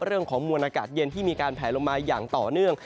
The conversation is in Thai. มวลอากาศเย็นที่มีการแผลลงมาอย่างต่อเนื่อง